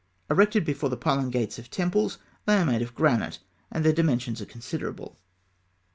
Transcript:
Erected before the pylon gates of temples, they are made of granite, and their dimensions are considerable.